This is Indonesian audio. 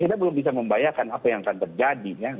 kita belum bisa membayangkan apa yang akan terjadi